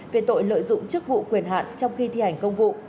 về tội lợi dụng chức vụ quyền hạn trong khi thi hành công vụ